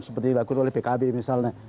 seperti yang dilakukan oleh pkb misalnya